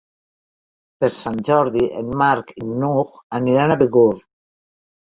Per Sant Jordi en Marc i n'Hug aniran a Begur.